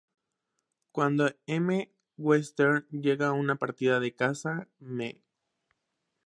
Cuando M. Western llega de una partida de caza, Mme.